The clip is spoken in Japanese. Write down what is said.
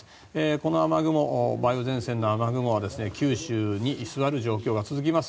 この雨雲、梅雨前線の雨雲は九州に居座る状況が続きます。